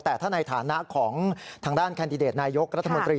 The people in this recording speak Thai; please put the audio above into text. แต่ถ้าในฐานะของทางด้านแคนดิเดตนายกรัฐมนตรี